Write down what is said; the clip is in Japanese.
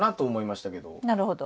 なるほど。